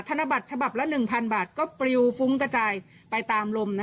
ธนบัตรฉบับละ๑๐๐บาทก็ปริวฟุ้งกระจายไปตามลม